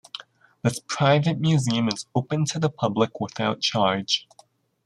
This private museum is open to the public without charge.